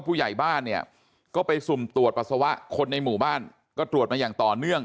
ผู้ใหญ่บ้านเนี่ยก็ไปสุ่มตรวจปัสสาวะคนในหมู่บ้านก็ตรวจมาอย่างต่อเนื่อง